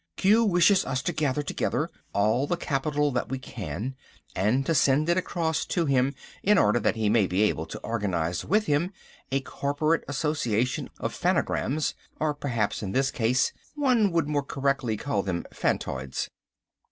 "Q wishes us to gather together all the capital that we can, and to send it across to him, in order that he may be able to organise with him a corporate association of phanograms, or perhaps in this case, one would more correctly call them phantoids."